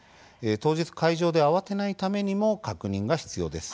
当日、会場で慌てないためにも確認が必要です。